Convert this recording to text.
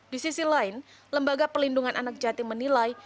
di sisi lain lembaga pelindungan anak jatim menilai